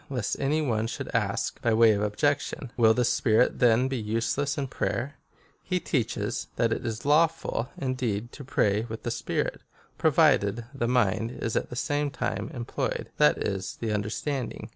Lest any one should ask, by way of objection, " Will the spirit then be useless in prayer V he teaches, that it is lawful, indeed, to pray with the spirit, provided the mind be at the same time employed, that is, the understanding.